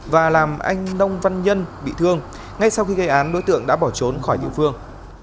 và làm anh nông văn nhân bị thương ngay sau khi gây án đối tượng đã bỏ trốn khỏi địa phương